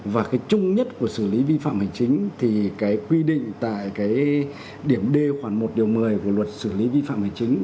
và cái chung nhất của xử lý vi phạm hành chính thì cái quy định tại cái điểm d khoản một điều một mươi của luật xử lý vi phạm hành chính